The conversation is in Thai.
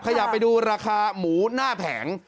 ขยับไปดูราคาหมูหน้าแผง